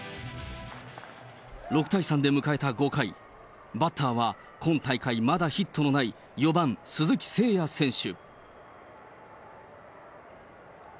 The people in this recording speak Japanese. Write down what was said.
６対３で迎えた５回、バッターは今大会まだヒットのない４番鈴木誠也選手。